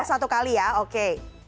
satu kali ya oke